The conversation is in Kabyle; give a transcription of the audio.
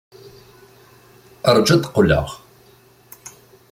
Rju ad d-qqleɣ.